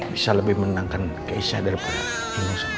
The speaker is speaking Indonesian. bisa lebih menangkan keisha daripada ibu sama mama